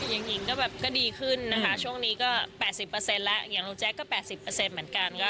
หญิงก็แบบก็ดีขึ้นนะคะช่วงนี้ก็๘๐แล้วอย่างลุงแจ๊คก็๘๐เหมือนกัน